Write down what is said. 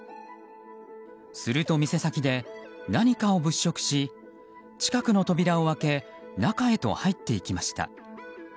すると店先で何かを物色し近くの扉を開け中へと入っていきました。